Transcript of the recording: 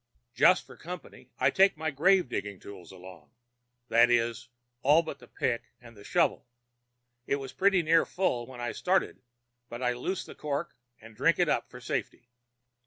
Just for company I take my grave digging tools along—that is, all but the pick and the shovel. It was pretty near full when I started, but I lose the cork and drink it up for safety.